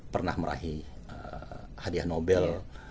pernah merahi hadiah nobel